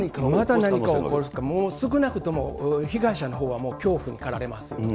また何かを起こすか、もう、少なくとも被害者のほうは恐怖にかられますよね。